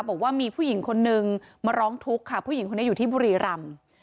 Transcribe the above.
บอกว่ามีผู้หญิงคนนึงมาร้องทุกข์ค่ะผู้หญิงคนนี้อยู่ที่บุรีรำ